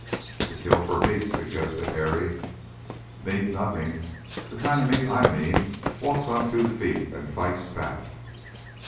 "To kill for meat," suggested Harry. "Meat, nothing! The kind of meat I mean walks on two feet and fights back."